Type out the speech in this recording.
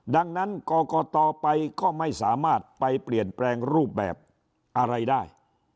ดังนั้นกรกตไปก็ไม่สามารถไปเปลี่ยนแปลงรูปแบบอะไรได้